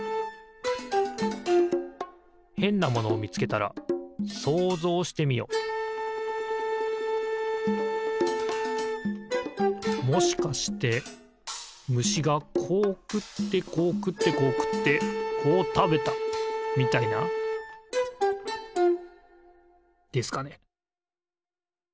へんなものをみつけたらもしかしてむしがこうくってこうくってこうくってこうたべた！みたいな。ですかね。